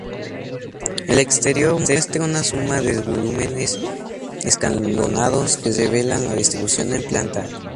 El exterior muestra una suma de volúmenes escalonados que revelan la distribución en planta.